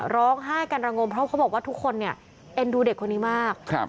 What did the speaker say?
ร้องไห้กันระงมเพราะเขาบอกว่าทุกคนเนี่ยเอ็นดูเด็กคนนี้มาก